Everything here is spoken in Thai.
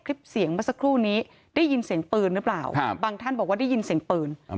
คลิปเสียงเมื่อสักครู่นี้ได้ยินเสียงปืนหรือเปล่าครับบางท่านบอกว่าได้ยินเสียงปืน